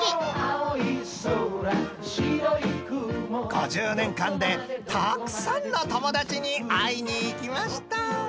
［５０年間でたくさんの友達に会いに行きました］